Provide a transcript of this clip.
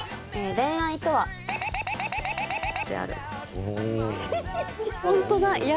恋愛とはである。